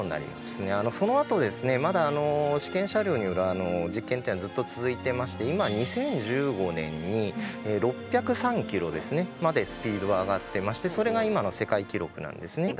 そのあとまだ試験車両による実験っていうのはずっと続いてまして今２０１５年に６０３キロまでスピードは上がってましてそれが今の世界記録なんですね。